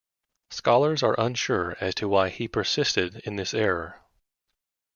Scholars are unsure as to why he persisted in this error.